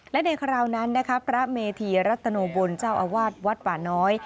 และในคราวนั้นนะคะพระเมธีรัตโนบลเจ้าอาวาสวัดป่าน้อย